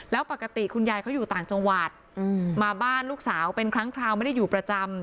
แล้วปกติคุณยายเขาอยู่ต่างจังหวัดมาบ้านลูกสาวเป็นครั้งคราวไม่ได้อยู่ประจำ